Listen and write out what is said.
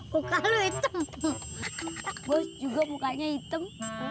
buka lu itu juga mukanya hitam